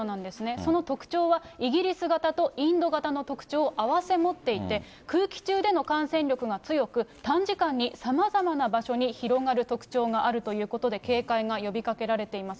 その特徴は、イギリス型とインド型の特徴を併せ持っていて、空気中での感染力が強く、短時間にさまざまな場所に広がる特徴があるということで、警戒が呼びかけられています。